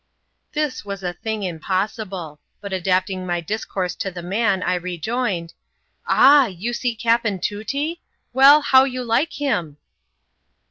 This was a thing impossible ; but adapting my discourse to the man, I rejoined —" Ah ! you see Capin Tootee — well, how you like him?"